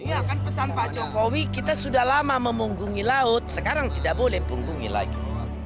iya kan pesan pak jokowi kita sudah lama memunggungi laut sekarang tidak boleh punggungi lagi